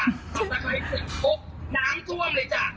น้ำท่วมเลยจ้ะ